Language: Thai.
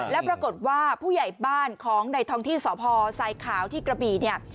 แล้วปรากฏว่าผู้ใหญ่บ้านของในท้องที่สพทรายขาวที่กระบี่เนี่ย